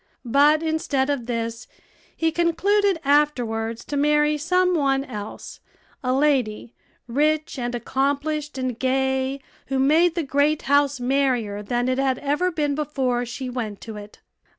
But instead of this, he concluded afterwards to marry some one else a lady, rich, and accomplished, and gay, who made the great house merrier than it had ever been before she went to it.